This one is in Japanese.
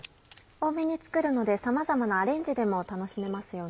多めに作るのでさまざまなアレンジでも楽しめますよね。